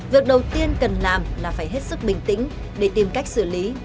việc đầu tiên cần làm là phải hết sức bình tĩnh để tìm cách xử lý